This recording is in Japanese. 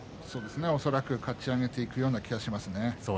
恐らく、かち上げていくような気がしますね。